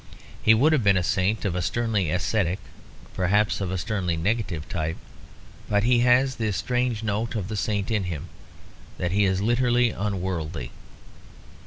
He would have been a saint of a sternly ascetic, perhaps of a sternly negative type. But he has this strange note of the saint in him: that he is literally unworldly.